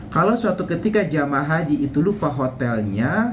kalau suatu ketika jemaah haji itu lupa hotelnya